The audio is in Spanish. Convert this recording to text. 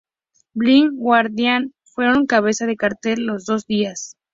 Blind Guardian fueron cabeza de cartel los dos días.